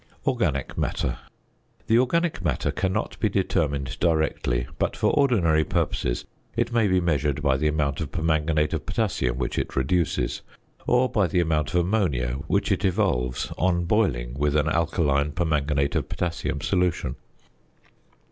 ~Organic Matter.~ The organic matter cannot be determined directly; but for ordinary purposes it may be measured by the amount of permanganate of potassium which it reduces, or by the amount of ammonia which it evolves on boiling with an alkaline permanganate of potassium solution.